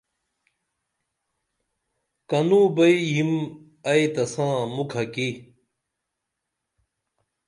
کنو بئی یم ائی تساں مُکھہ کی